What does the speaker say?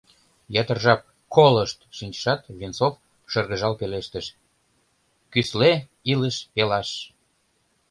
Ятыр жап «колышт» шинчышат, Венцов шыргыжал пелештыш: «Кӱсле — илыш пелаш!»